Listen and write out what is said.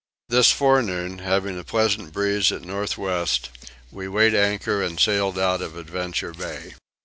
This forenoon, having a pleasant breeze at north west, we weighed anchor and sailed out of Adventure Bay.